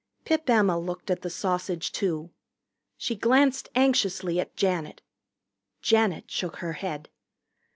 Pip Emma looked at the sausage, too. She glanced anxiously at Janet. Janet shook her head.